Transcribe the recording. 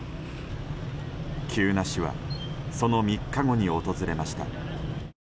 急な死はその３日後に訪れました。